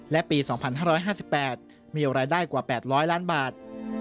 และปี๒๕๕๘มีรายได้กว่า๘๐๐ล้านบาท